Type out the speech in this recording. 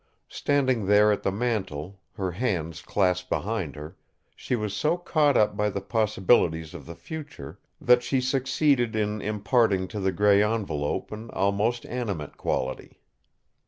Standing there at the mantel, her hands clasped behind her, she was so caught up by the possibilities of the future that she succeeded in imparting to the grey envelope an almost animate quality.